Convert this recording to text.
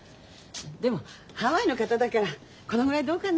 でもハワイの方だからこのぐらいどうかな？